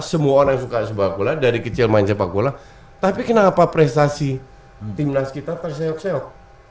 semua orang suka sepak bola dari kecil main sepak bola tapi kenapa prestasi timnas kita terseok seok